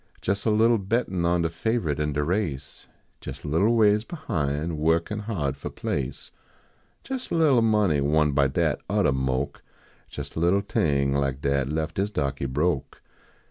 Jes a little bettin on de faverite in de race ; Jes a little ways behin , workin hard fo place ; Jes a little money won by dat oddah moke. Jes a little thing like dat lef dis dahkey broke.